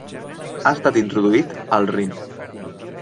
Ha estat introduït al Rin.